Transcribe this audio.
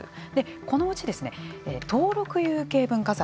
このうち登録有形文化財。